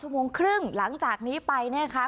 เวลา๑๒๓๐นหลังจากนี้ไปนะครับ